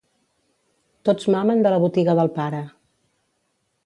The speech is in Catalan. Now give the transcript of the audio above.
Tots mamen de la botiga del pare.